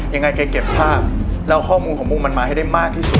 ยังไงแกเก็บภาพเล่าข้อมุมของทุกคนมาให้ให้เขามากที่สุด